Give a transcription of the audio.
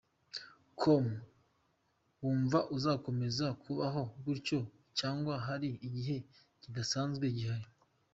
com: Wumva uzakomeza kubaho gutyo cyangwa hari igihe kidasanzwe gihari?.